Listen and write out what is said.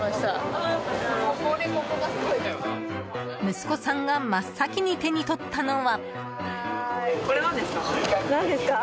息子さんが真っ先に手に取ったのは。